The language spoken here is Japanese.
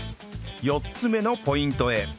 ４つ目のポイントへ